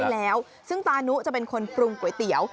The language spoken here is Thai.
แล้วซึ่งตานุจะเป็นคนปรุงก๋วยเตี๋ยว